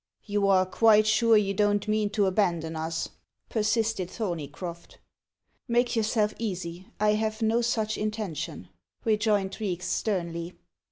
"You are quite sure you don't mean to abandon us?" persisted Thorneycroft. "Make yourself easy; I have no such intention," rejoined Reeks sternly.